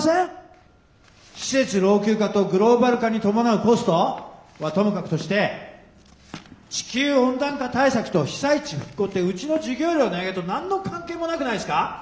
施設老朽化とグローバル化に伴うコスト？はともかくとして地球温暖化対策と被災地復興ってうちの授業料値上げと何の関係もなくないすか？